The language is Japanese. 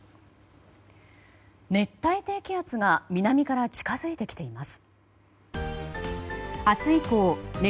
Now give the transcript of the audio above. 熱帯低気圧が南から近づいてきています。